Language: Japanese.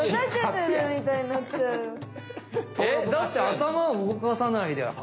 だってアタマを動かさないで。